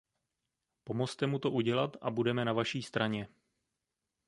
Pomozte mu to udělat a budeme na vaší straně.